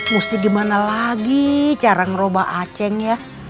mesti gimana lagi cara ngerubah aceng ya